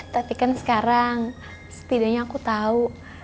tapi kan sekarang setidaknya aku tahu